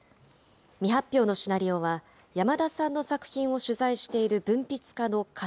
未発表のシナリオは山田さんの作品を取材している文筆家の頭